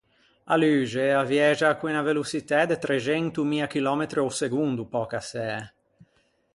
A luxe a viægia con unna veloçitæ de trexento mia chillòmetri a-o segondo pöcassæ.